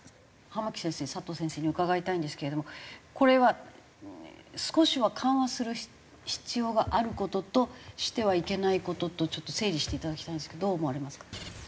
濱木先生佐藤先生に伺いたいんですけれどもこれは少しは緩和する必要がある事としてはいけない事と整理していただきたいんですけどどう思われますか？